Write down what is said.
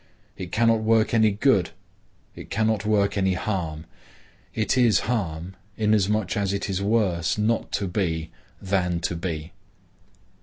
It cannot work any good; it cannot work any harm. It is harm inasmuch as it is worse not to be than to be.